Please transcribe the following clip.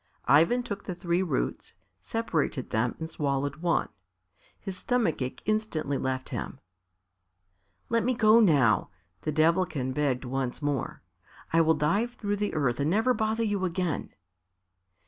Ivan took the three roots, separated them and swallowed one. His stomach ache instantly left him. "Let me go now," the Devilkin begged once more. "I will dive through the earth and never bother you again."